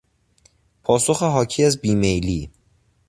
پاسخ حاکی از بیمیلی